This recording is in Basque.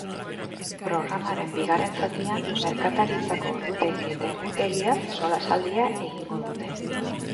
Programaren bigarren zatian merkataritzako ordutegi eta egutegiaz solasaldia egingo dute.